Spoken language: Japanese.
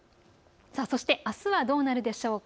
そして、あすはどうなるでしょうか。